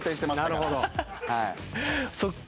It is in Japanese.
なるほど。